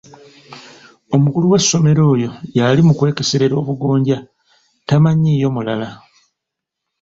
Omukulu w'essomero oyo yali mu kwekeserera obugonja tamanyiiyo mulala.